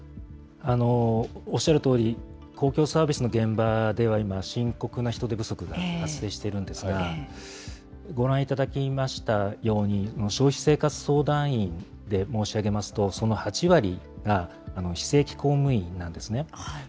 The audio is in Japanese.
おっしゃるとおり、公共サービスの現場では、今、深刻な人手不足が発生しているんですが、ご覧いただきましたように、消費生活相談員で申し上げますと、その８割が非正規公務員なんですね。